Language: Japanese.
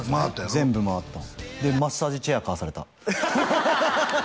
全部回ったでマッサージチェア買わされたハハハハハハハハハ